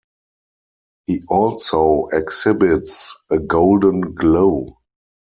He also exhibits a golden glow.